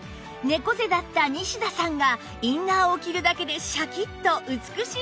猫背だった西田さんがインナーを着るだけでシャキッと美しい姿勢に